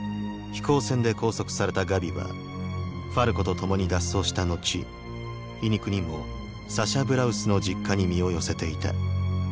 飛行船で拘束されたガビはファルコとともに脱走したのち皮肉にもサシャ・ブラウスの実家に身を寄せていた。